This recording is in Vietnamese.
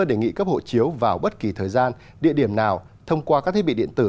đề nghị cấp hộ chiếu vào bất kỳ thời gian địa điểm nào thông qua các thiết bị điện tử